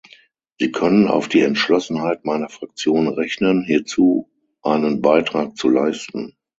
Sie können auf die Entschlossenheit meiner Fraktion rechnen, hierzu einen Beitrag zu leisten.